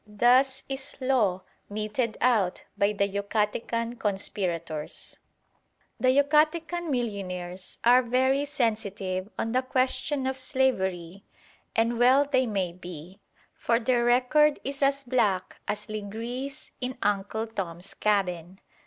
Thus is law meted out by the Yucatecan conspirators. The Yucatecan millionaires are very sensitive on the question of slavery, and well they may be: for their record is as black as Legree's in Uncle Tom's Cabin.